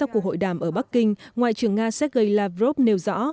cuộc hội đàm ở bắc kinh ngoại trưởng nga sergei lavrov nêu rõ